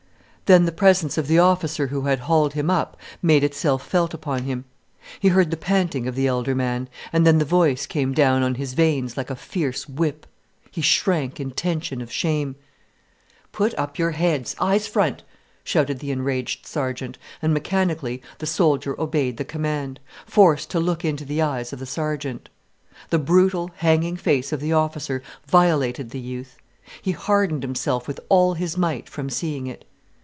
Then the presence of the officer who had hauled him up made itself felt upon him. He heard the panting of the elder man, and then the voice came down on his veins like a fierce whip. He shrank in tension of shame. "Put up your head—eyes front," shouted the enraged sergeant, and mechanically the soldier obeyed the command, forced to look into the eyes of the sergeant. The brutal, hanging face of the officer violated the youth. He hardened himself with all his might from seeing it.